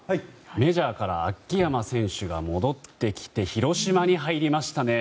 メジャーから秋山選手が戻ってきて広島に入りましたね。